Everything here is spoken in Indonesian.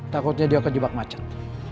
takutnya dia akan jebak macet